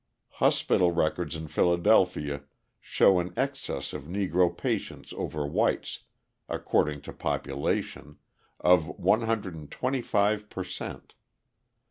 Hospital records in Philadelphia show an excess of Negro patients over whites, according to population, of 125 per cent.